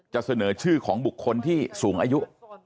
จะเสนอชื่อของบุคคลที่สูงอายุ